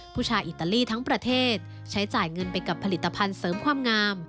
อิตาลีทั้งประเทศใช้จ่ายเงินไปกับผลิตภัณฑ์เสริมความงาม